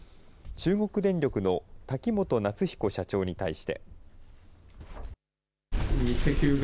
中国電力の瀧本夏彦社長に対して。